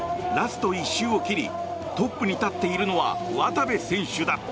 ラスト１周を切りトップに立っているのは渡部選手だ。